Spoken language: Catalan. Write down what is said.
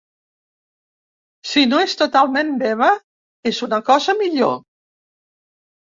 Si no és totalment meva, és una cosa millor.